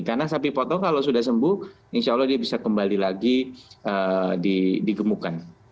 karena sapi potong kalau sudah sembuh insya allah dia bisa kembali lagi digemukkan